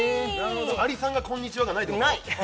アリさんがこんにちはがないってこと？